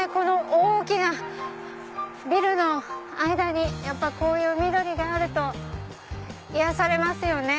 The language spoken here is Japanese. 大きなビルの間にこういう緑があると癒やされますよね。